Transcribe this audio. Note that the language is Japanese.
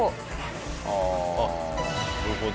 あっなるほど。